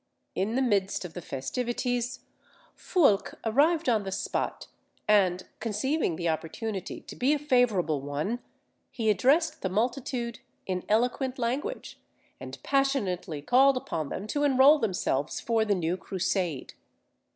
In the midst of the festivities Foulque arrived upon the spot, and conceiving the opportunity to be a favourable one, he addressed the multitude in eloquent language, and passionately called upon them to enrol themselves for the new Crusade.